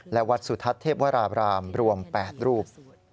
และวัดสุทัศน์เทพวราบรามรวม๘รูป